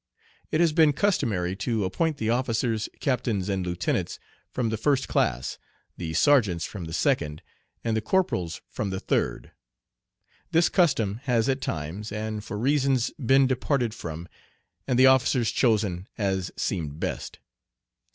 It has been customary to appoint the officers, captains, and lieutenants from the first class, the sergeants from the second, and the corporals from the third. This custom has at times, and for reasons, been departed from, and the officers chosen as seemed best.